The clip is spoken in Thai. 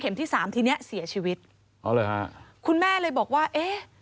เข็มที่สามทีเนี่ยเสียชีวิตคุณแม่เลยบอกว่าเอ๊ะ